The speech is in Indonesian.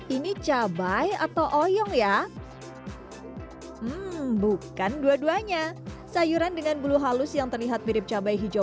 ini cabai atau oyong ya bukan dua duanya sayuran dengan bulu halus yang terlihat mirip cabai hijau